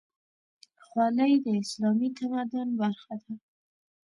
خولۍ د اسلامي تمدن برخه ده.